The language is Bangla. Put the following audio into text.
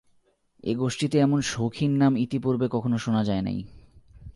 এ গোষ্ঠীতে এমন শৌখিন নাম ইতিপূর্বে কখনো শোনা যায় নাই।